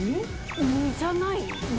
実じゃないの？